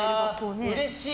うれしい。